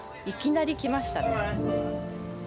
いきなりきましたね。